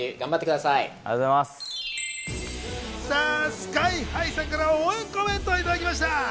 ＳＫＹ−ＨＩさんから応援コメントをいただきました。